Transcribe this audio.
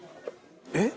えっ？